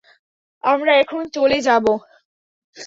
আমরা এখন চলে যাবো।